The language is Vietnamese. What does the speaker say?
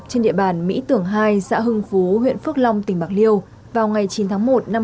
trên địa bàn mỹ tưởng hai xã hưng phú huyện phước long tỉnh bạc liêu vào ngày chín tháng một năm hai nghìn hai mươi